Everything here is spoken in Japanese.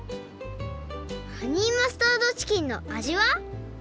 ハニーマスタードチキンの味は？